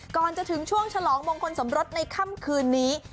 ก่อนจะถึงช่วงฉลองมงคลสมรสในค่ำคืนนี้